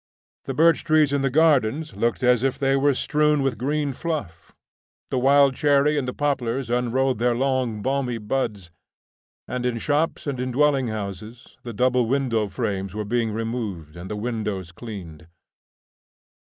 The birch trees in the gardens looked as if they were strewn with green fluff, the wild cherry and the poplars unrolled their long, balmy buds, and in shops and dwelling houses the double window frames were being removed and the windows cleaned.